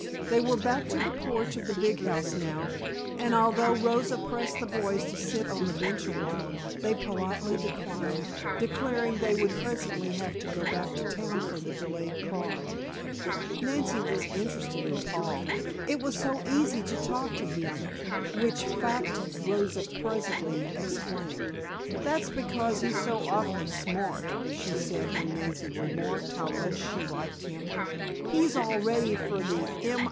They were back to the porch of the big house now, and although Rosa pressed the boys to sit on the bench awhile, they politely declined, declaring they would presently have to go back to town for the delayed car. Nancy was interested in Paul; it was so easy to talk to him which fact Rosa presently explained. "That's because he's so awfully smart," she said when Nancy remarked how much she liked him. "He's all ready for the M.